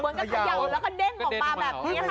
เขย่าแล้วก็เด้งออกมาแบบนี้ค่ะ